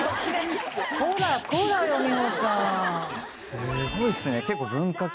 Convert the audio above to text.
すごいっすね結構。